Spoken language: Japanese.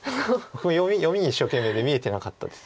読みに一生懸命で見えてなかったです。